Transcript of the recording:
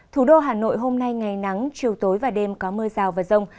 thủ đô hà nội hôm nay ngày nắng chiều tối và đêm có mưa rào và rông